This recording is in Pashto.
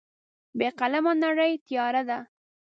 بې قلمه نړۍ تیاره ده.